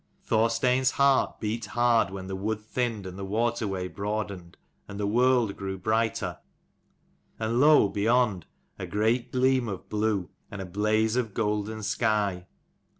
Thorstein's heart beat hard when the wood thinned, and the waterway broadened, and the world grew brighter, and lo, beyond, a great gleam of blue, and a blaze of golden sky.